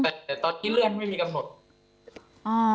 แต่ตอนที่เลือนไม่มีกำหนด